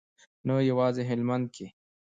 نه یوازې هلمند کې.